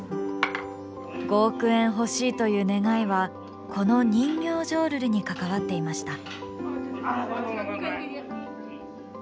５億円欲しいという願いはこの人形浄瑠璃に関わっていました。